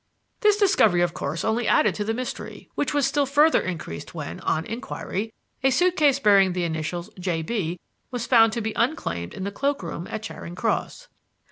"This discovery of course only added to the mystery, which was still further increased when, on inquiry, a suit case bearing the initials J. B. was found to be unclaimed in the cloak room at Charing Cross.